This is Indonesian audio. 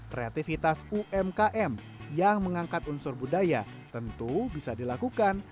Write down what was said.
kreativitas umkm yang mengangkat unsur budaya tentu bisa dilakukan